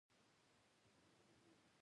زه دوهم واري بیا راسم؟